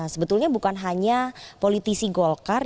sebetulnya bukan hanya politisi golkar